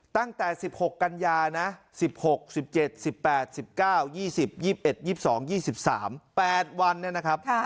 ตั้งแต่๑๖กันยานะ๑๖๑๗๑๘๑๙๒๐๒๑๒๒๒๓๘วันเนี่ยนะครับ